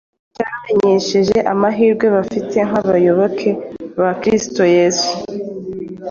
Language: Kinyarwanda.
petero yabamenyesheje amahirwe bafite nk’abayoboke ba kristo yesu.